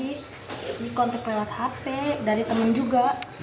ini kontak lewat hp dari teman juga